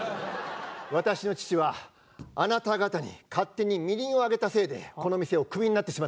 私の父はあなた方に勝手にみりんをあげたせいでこの店をクビになってしまったんです。